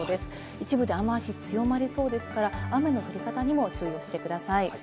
一部で雨足が強まりそうですから雨の降り方にも注意をしてください。